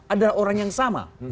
adalah orang yang sama